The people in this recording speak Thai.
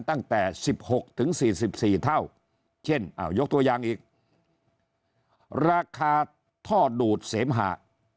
ตั้งแต่๑๖ถึง๔๔เท่าเช่นอ้าวยกตัวอย่างอีกราคาท่อดูดเสมหะ